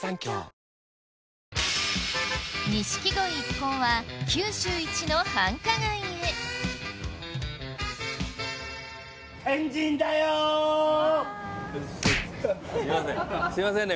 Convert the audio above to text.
錦鯉一行は九州一の繁華街へすいませんすいませんね